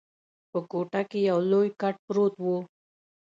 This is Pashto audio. په کوټه کي یو لوی کټ پروت وو.